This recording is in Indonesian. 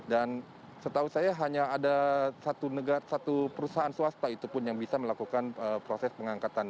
dan setahu saya hanya ada satu negara satu perusahaan swasta itu pun yang bisa melakukan proses pengangkatan